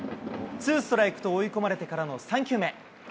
２ストライクと追い込まれてからの３球目。